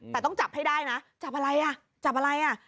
แต่ต้องจับให้ได้นะจับอะไรอ่ะจับอะไรอ่ะ